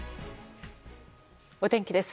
お天気です。